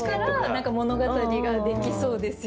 何か物語ができそうですよね。